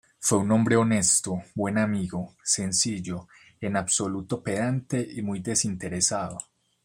Fue un hombre honesto, buen amigo, sencillo, en absoluto pedante y muy desinteresado.